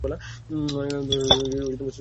এবার সুপারম্যানের মৃত্যুর পালা।